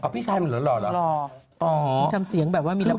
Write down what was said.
อ๋อพี่ชายเหมือนเหมือนหล่อหรอ